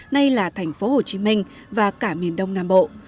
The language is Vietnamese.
nay là thành phố hồ chí minh và cả miền đông nam bộ